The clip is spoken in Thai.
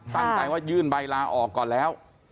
ตั้งใจว่ายื่นใบลาออกก่อนแล้ว